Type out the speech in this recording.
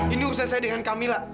ini urusan saya dengan kamila